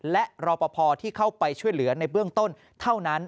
และรอปภที่เข้าไปช่วยเหลือในเบื้องต้นเท่านั้น